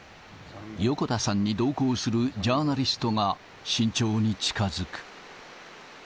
横田さんに同行するジャーナリストが慎重に近づく。